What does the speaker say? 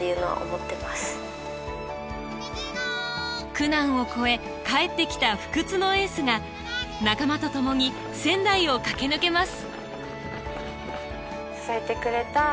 苦難を超え帰ってきた不屈のエースが仲間と共に仙台を駆け抜けます